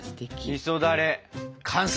みそだれ完成！